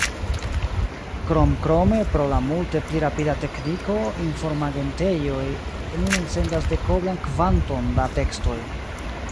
Kromkrome pro la multe pli rapida tekniko, informagentejoj nun elsendas dekoblan kvanton da tekstoj.